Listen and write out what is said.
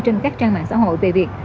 trên các trang mạng xã hội về việc